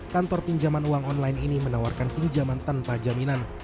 kantor pinjaman uang online ini menawarkan pinjaman tanpa jaminan